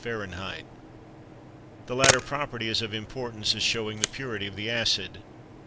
The latter property is of importance as showing the purity of the acid.